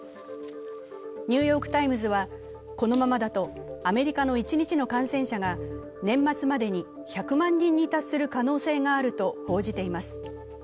「ニューヨーク・タイムズ」はこのままだとアメリカの一日の感染者が、年末までに１００万人に達する可能性があると報じています。